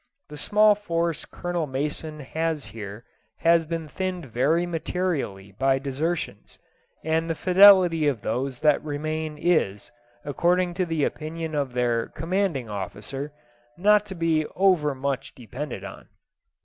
The small force Colonel Mason has here has been thinned very materially by desertions, and the fidelity of those that remain is, according to the opinion of their commanding officer, not to be over much depended on.